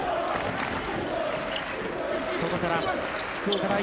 外から、福岡第一。